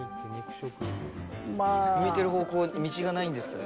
向いてる方向、道がないんですけど。